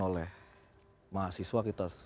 oleh mahasiswa kita